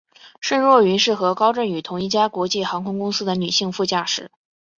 申若云是和高振宇同一家国际航空公司的女性副驾驶。